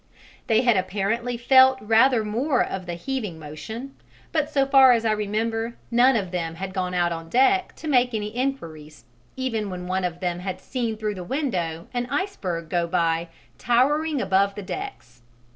They had apparently felt rather more of the heaving motion, but so far as I remember, none of them had gone out on deck to make any enquiries, even when one of them had seen through the windows an iceberg go by towering above the decks.